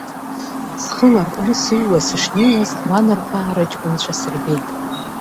Схы ларҟәны сыҩуа сышнеиуаз, ҟәланырхәаа рыҷкәынцәа сырбеит.